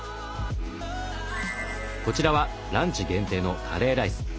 こちらはランチ限定のカレーライス。